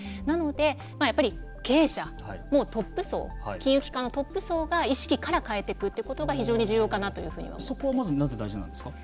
なので、経営者のトップ層金融機関のトップ層が意識から変えていくということが非常に重要かなと思ってます。